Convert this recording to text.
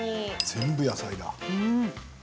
全部、野菜。